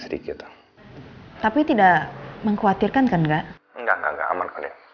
enggak enggak enggak aman kondisi